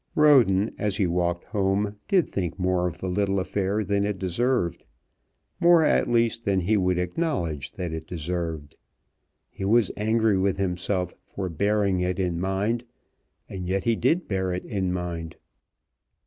Roden as he walked home did think more of the little affair than it deserved, more at least than he would acknowledge that it deserved. He was angry with himself for bearing it in mind, and yet he did bear it in mind.